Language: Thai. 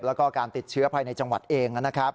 แล้วก็การติดเชื้อภายในจังหวัดเองนะครับ